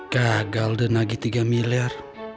gagal deh nagih tiga miliar